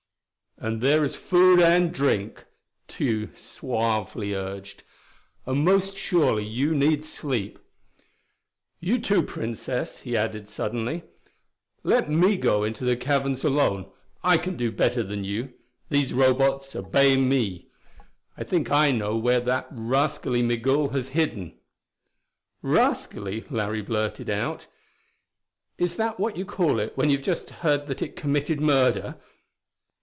"And there is food and drink," Tugh suavely urged. "And most surely you need sleep. You too Princess," he suddenly added. "Let me go into the caverns alone: I can do better than you; these Robots obey me. I think I know where that rascally Migul has hidden." "Rascally?" Larry burst out. "Is that what you call it when you've just heard that it committed murder?